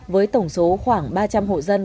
với tổng số khoảng ba trăm linh hộ dân